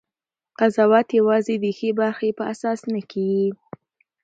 قضاوت یوازې د ښې برخې په اساس نه کېږي.